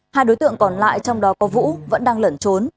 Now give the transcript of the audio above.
hai đối tượng còn lại trong đó có vũ vẫn đang lẩn trốn